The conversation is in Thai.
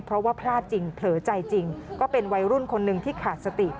เพราะว่าพลาดจริงเผลอใจจริงก็เป็นวัยรุ่นคนหนึ่งที่ขาดสติ